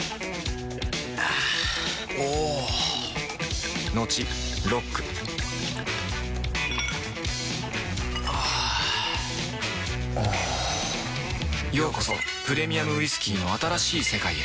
あぁおぉトクトクあぁおぉようこそプレミアムウイスキーの新しい世界へ